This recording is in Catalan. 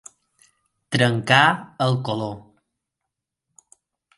Trencar el color.